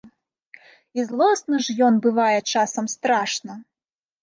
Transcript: І злосны ж ён бывае часам страшна!